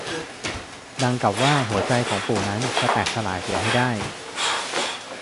ดังกับว่าหัวใจของปู่นั้นจะแตกสลายเสียให้ได้